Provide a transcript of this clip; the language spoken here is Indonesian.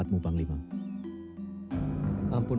ketika kita menyebarkan orang kaya yang kuat